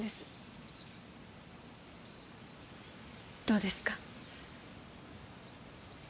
どうですか？